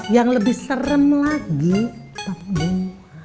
yang lebih serem lagi pembunuhan